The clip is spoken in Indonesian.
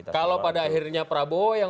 kalau pada akhirnya prabowo